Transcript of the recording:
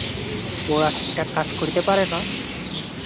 গোঁড়ারা ঠিক ঠিক কাজ করিতে পারে না।